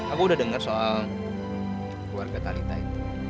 aku udah denger soal keluarga talita itu